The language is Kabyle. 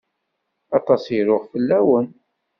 Aṭas i ruɣ fell-awen.